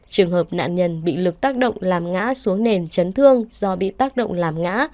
trường hợp nạn nhân bị lực tác động làm ngã xuống nền chấn thương do bị tác động làm ngã